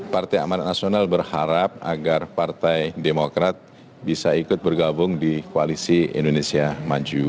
partai amanat nasional berharap agar partai demokrat bisa ikut bergabung di koalisi indonesia maju